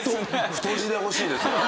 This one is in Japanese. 太字で欲しいですよね。